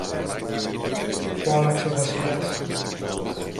φώναξε ο Βασιλιάς.